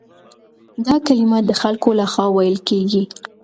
دا کلمه د خلکو له خوا ويل کېږي.